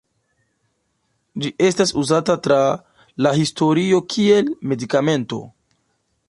Ĝi estas uzata tra la historio kiel medikamento.